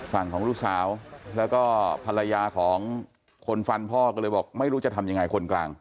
ฝั่งของลูกสาวแล้วก็ภรรยาของคนฟันพ่อก็เลยบอกไม่รู้จะทำยังไงคนกลาง